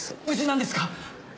無事なんですか！？